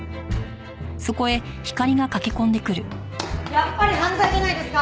やっぱり犯罪じゃないですか！